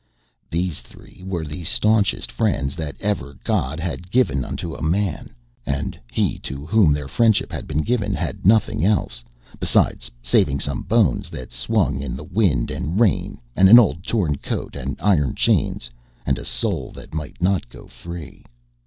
These three were the staunchest friends that ever God had given unto a man. And he to whom their friendship had been given had nothing else besides, saving some bones that swung in the wind and rain, and an old torn coat and iron chains, and a soul that might not go free.